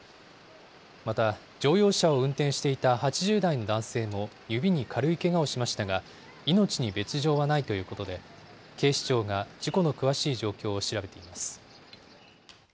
また、乗用車を運転していた８０代の男性も指に軽いけがをしましたが、命に別状はないということで、警視庁が事故の詳しい状況を調べています。